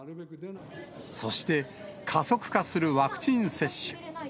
そして、加速化するワクチン接種。